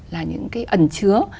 là những cái ẩn chứa